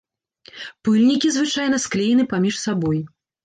Пыльнікі звычайна склеены паміж сабой.